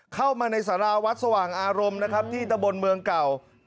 เข้ามาในสาราวัดสว่างอารมณ์นะครับที่ตะบนเมืองเก่า